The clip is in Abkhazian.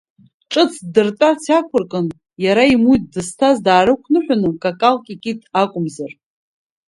Ҿыц ддыртәарц иақәыркын, иара имуит, дызҭаз даарықәныҳәаны, какалк икит акәымзар.